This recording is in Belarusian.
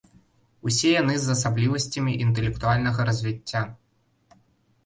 Усе яны з асаблівасцямі інтэлектуальнага развіцця.